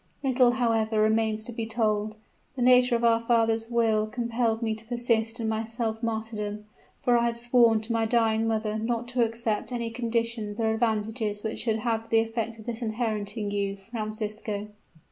Little, however, remains to be told. The nature of our father's will compelled me to persist in my self martyrdom: for I had sworn to my dying mother not to accept any conditions or advantages which should have the effect of disinheriting you, Francisco."